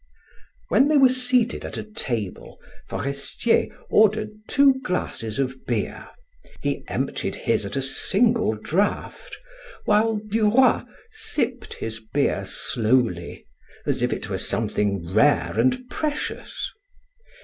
When they were seated at a table, Forestier ordered two glasses of beer. He emptied his at a single draught, while Duroy sipped his beer slowly as if it were something rare and precious.